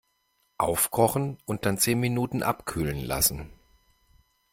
Aufkochen und dann zehn Minuten abkühlen lassen.